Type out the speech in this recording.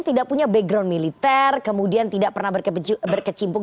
tidak punya background militer kemudian tidak pernah berkecimpung